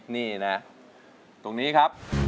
นี่นะตรงนี้ครับ